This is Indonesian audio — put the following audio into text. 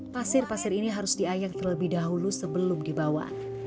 pasir pasir ini harus diayak terlebih dahulu sebelum dibawa